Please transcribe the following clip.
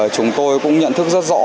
chúng tôi cũng nhận thức rất rõ